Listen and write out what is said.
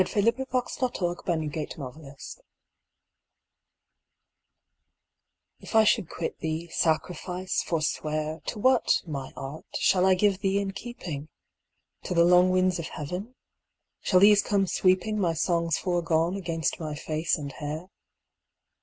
116 I A Poet's Fancies X UNLINKED F I should quit thee, sacrifice, forswear, To what, my art, shall I give thee in keeping? To the long winds of heaven ? Shall these come sweeping My songs forgone against my face and hair